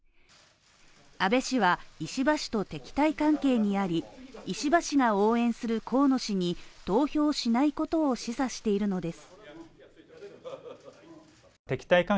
安倍氏は石破氏と敵対関係にあり、石破氏が応援する河野氏に投票しないことを示唆しているのです。